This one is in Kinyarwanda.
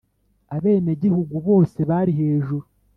abenegihugu bose bari hejuru.